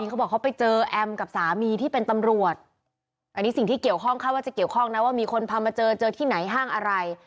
เขาบอกเขาไปเจอแอมกับสามีที่เป็นตำรวจอันนี้สิ่งที่เกี่ยวข้องคาดว่าจะเกี่ยวข้องนะว่ามีคนพามาเจอเจอที่ไหนห้างอะไร